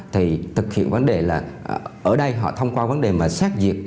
thì thực hiện vấn đề là ở đây họ thông qua vấn đề mà xét diệt